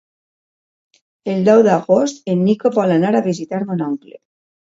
El deu d'agost en Nico vol anar a visitar mon oncle.